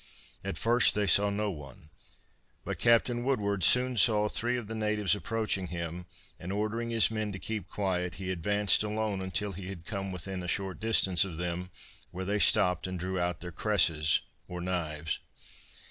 At first they saw no one, but Captain Woodward soon saw three of the natives approaching him; and ordering his men to keep quiet, he advanced alone until he had come within a short distance of them, where they stopped and drew out their cresses or knives.